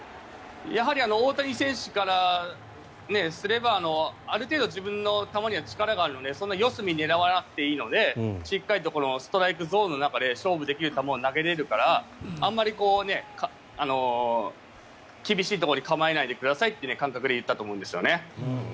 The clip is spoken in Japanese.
やはり大谷選手からすればある程度、自分の球には力があるので、そんなに四隅を狙わなくていいのでしっかりとストライクゾーンの中で勝負できる球を投げれるからあまり厳しいところに構えないでくださいっていう感覚で言ったと思うんですよね。